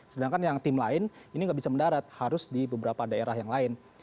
sedangkan yang tim lain ini nggak bisa mendarat harus di beberapa daerah yang lain